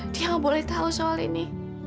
dia nggak boleh tahu soal ini